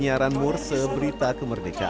indonesia serpihan juga